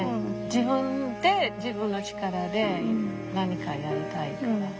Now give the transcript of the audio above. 自分で自分の力で何かやりたいから。